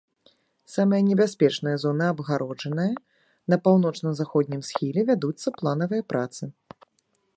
Самыя небяспечныя зоны абгароджаныя, на паўночна-заходнім схіле вядуцца планавыя працы.